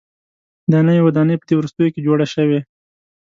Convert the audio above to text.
دا نوې ودانۍ په دې وروستیو کې جوړه شوې.